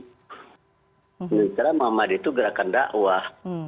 karena muhammadiyah itu gerakan dakwah